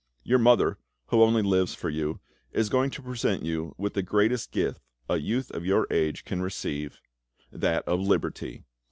Your mother, who only lives for you, is going to present you with the greatest gift a youth of your age can receive—that of liberty.